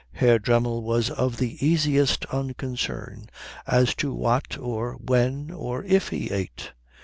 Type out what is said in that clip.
Herr Dremmel was of the easiest unconcern as to what or when or if he ate.